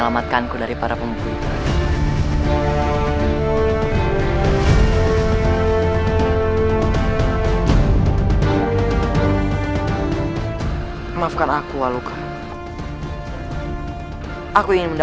sampai jumpa di video selanjutnya